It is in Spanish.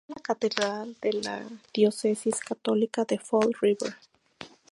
Es la catedral de la diócesis católica de Fall River.